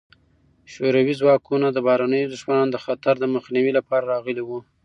شوروي ځواکونه د بهرنیو دښمنانو د خطر د مخنیوي لپاره راغلي وو.